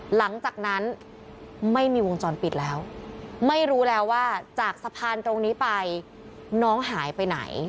หลังจากนั้นไม่มีวงจรปิดแล้วไม่รู้แล้วว่าจากสะพานตรงนี้ไปน้องหายไปไหน